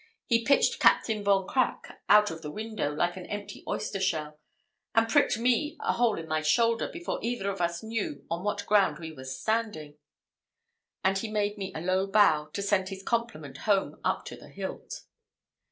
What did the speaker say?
He pitched Captain Von Crack out of the window like an empty oyster shell, and pricked me a hole in my shoulder before either of us knew on what ground we were standing;" and he made me a low bow, to send his compliment home up to the hilt.